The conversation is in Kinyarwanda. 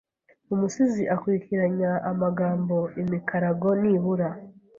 Umusizi akurikiranya amabango imikarago nibura